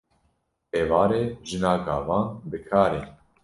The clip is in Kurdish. Êvar e jina gavan bi kar e